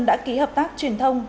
đã ký hợp tác truyền thông